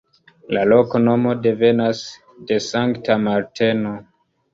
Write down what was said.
La loknomo devenas de Sankta Marteno.